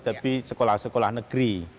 tapi sekolah sekolah negeri